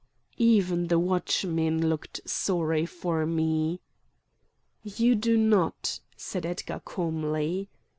Even the watchmen looked sorry for me. "You do not!" said Edgar calmly.